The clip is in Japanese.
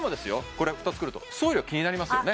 これ２つ来ると送料気になりますよね